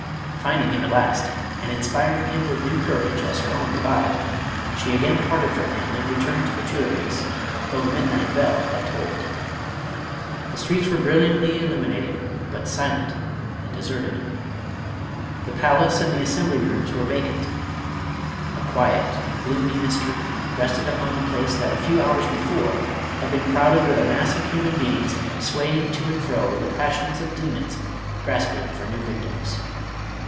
Finding him at last, and inspiring him with new cour age as her own revived, she again parted from him and returned to the Tuileries, though the midnight bell had tolled. The streets were brilliantly illuminated, but silent and deserted ; the palace and the Assembly rooms were vacant ; a quiet and gloomy mystery rest ed upon the place that a few hours before had been crowded with a mass of human beings swaying to and fro with the passions of demons grasping for new vic tims.